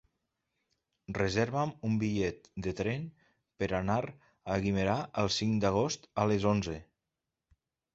Reserva'm un bitllet de tren per anar a Guimerà el cinc d'agost a les onze.